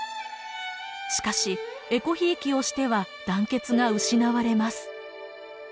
しかしえこひいきをしては団結が失われます。